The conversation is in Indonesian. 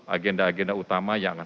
agenda agenda utama yang akan